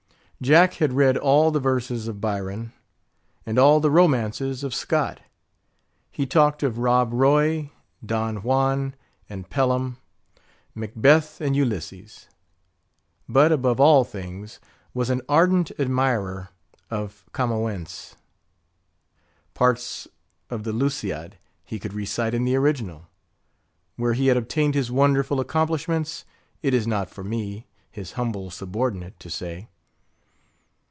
Jack had read all the verses of Byron, and all the romances of Scott. He talked of Rob Roy, Don Juan, and Pelham; Macbeth and Ulysses; but, above all things, was an ardent admirer of Camoens. Parts of the Lusiad, he could recite in the original. Where he had obtained his wonderful accomplishments, it is not for me, his humble subordinate, to say.